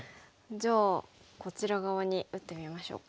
じゃあこちら側に打ってみましょうか。